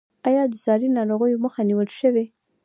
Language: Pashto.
آیا د ساري ناروغیو مخه نیول شوې؟